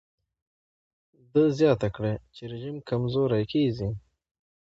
ده زیاته کړه چې رژیم کمزوری کېږي.